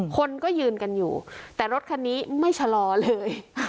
คนก็ยืนกันอยู่แต่รถคันนี้ไม่ชะลอเลย